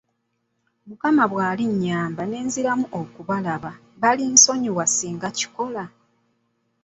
Mukama bw'alinnyamba ne nziramu okubalaba, balinsonyiwa singa nkikola?